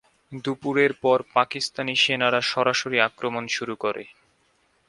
দুপুরের পর পাকিস্তানি সেনারা সরাসরি আক্রমণ শুরু করে।